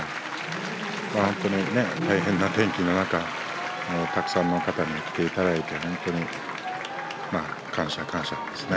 本当に大変な天気の中たくさんの方に来ていただいて本当に感謝、感謝ですね。